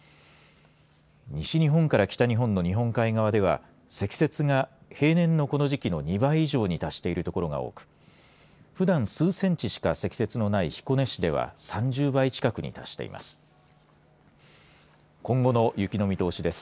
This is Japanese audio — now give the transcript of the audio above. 西日本から北日本の日本海側では積雪が平年のこの時期の２倍以上に達している所が多くふだん数センチしか積雪のない彦根市では３０倍近くに達しています。